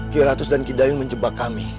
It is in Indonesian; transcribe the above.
kiratus dan kidain menjebak kami